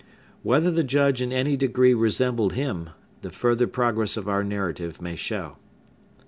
Whether the Judge in any degree resembled him, the further progress of our narrative may show.